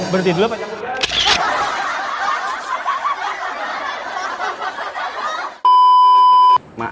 berdiri dulu apa nyambungan